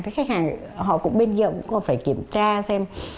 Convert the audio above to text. thì khách hàng họ cũng bên kia cũng phải kiểm tra xem